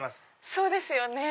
そうですよね。